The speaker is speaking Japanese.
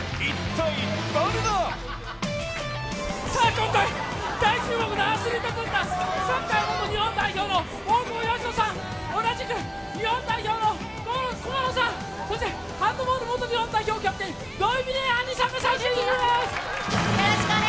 今回、大注目のアスリート軍団、サッカー元日本代表の大久保嘉人さん、同じく日本代表の駒野さん、そしてハンドボール元日本代表キャプテン、土井レミイ杏利さんです。